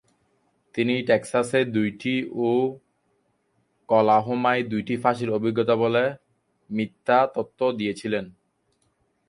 তিনি টেক্সাসে দুইটি ও ওকলাহোমায় দুইটি ফাঁসির অভিজ্ঞতা আছে বলে মিথ্যা তথ্য দিয়েছিলেন।